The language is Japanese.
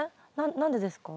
何でですか？